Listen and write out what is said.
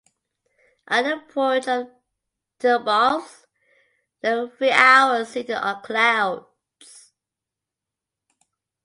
At the porch of Theobalds there were three Hours seated on clouds.